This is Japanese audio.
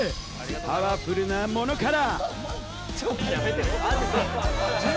パワフルなものから。